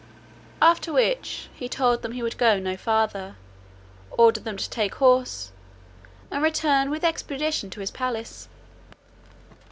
After which, he told them he would go no farther, ordered them to take horse, and returned with expedition to his palace.